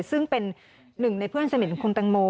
ซึ่งเป็นหนึ่งในเพื่อนสนิทของคุณตังโม